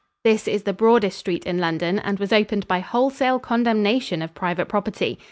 This is the broadest street in London and was opened by wholesale condemnation of private property.